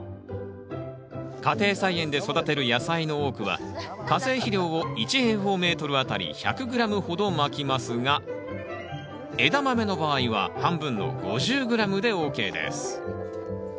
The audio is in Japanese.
家庭菜園で育てる野菜の多くは化成肥料を１あたり１００ｇほどまきますがエダマメの場合は半分の５０ｇでＯＫです。